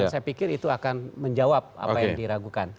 saya pikir itu akan menjawab apa yang diragukan